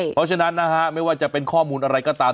เพราะฉะนั้นนะฮะไม่ว่าจะเป็นข้อมูลอะไรก็ตาม